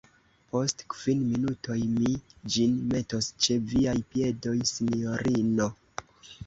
Post kvin minutoj mi ĝin metos ĉe viaj piedoj, sinjorino.